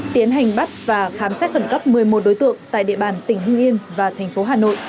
tiến hành bắt và khám xét khẩn cấp một mươi một đối tượng tại địa bàn tỉnh hưng yên và thành phố hà nội